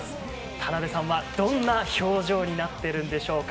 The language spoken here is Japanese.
田辺さんはどんな表情になっているんでしょうか。